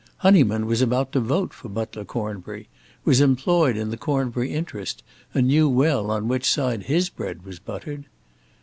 Honyman was about to vote for Butler Cornbury, was employed in the Cornbury interest, and knew well on which side his bread was buttered.